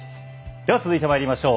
では続いてまいりましょう。